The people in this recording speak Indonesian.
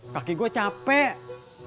kaki gue capek